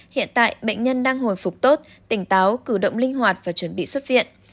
hiện tại bệnh nhân đang hồi phục tốt tỉnh táo cử động linh hoạt và chuẩn bị xuất viện